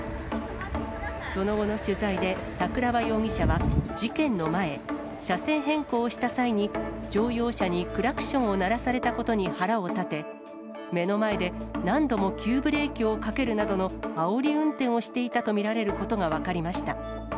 その後の取材で桜庭容疑者は事件の前、車線変更をした際に乗用車にクラクションを鳴らされたことに腹を立て、目の前で何度も急ブレーキをかけるなどのあおり運転をしていたと見られることが分かりました。